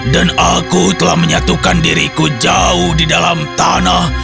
dan aku telah menyatukan diriku jauh di dalam tanah